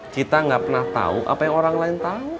kita gak pernah tahu apa yang orang lain tahu